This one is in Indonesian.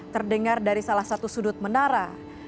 terdengar dari salah satu sudut menara